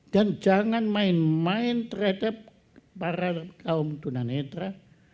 dan jangan main main terhadap para kaum tuna netra